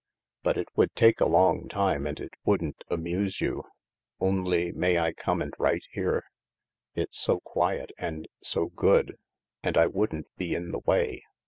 But it would take a long time and it wouldn't amuse you. Only may I come and write here ? THE LARK It's so quiet, and so good. And I wouldn't be in the way.